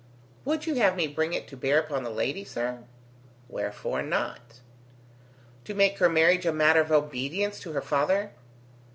"Would you have me bring it to bear upon the lady, sir?" "Wherefore not?" "To make her marriage a matter of obedience to her father?"